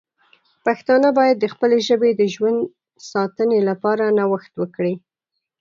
پښتانه باید د خپلې ژبې د ژوند ساتنې لپاره نوښت وکړي.